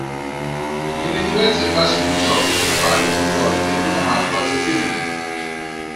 Nelle diverse fasi di gioco compare più volte una mappa del pianeta.